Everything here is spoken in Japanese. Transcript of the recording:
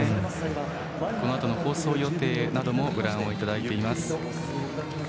このあとの放送予定などもご覧いただいております。